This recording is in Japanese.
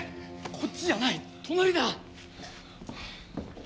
こっちじゃない隣だ。